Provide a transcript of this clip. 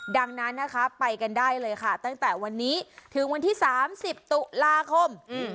ดังนั้นนะคะไปกันได้เลยค่ะตั้งแต่วันนี้ถึงวันที่๓๐ตุลาคม